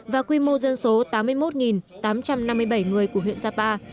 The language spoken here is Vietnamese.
và quy mô dân số tám mươi một tám trăm năm mươi bảy người của huyện sapa